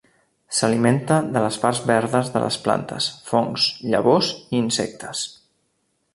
S'alimenta de les parts verdes de les plantes, fongs, llavors i insectes.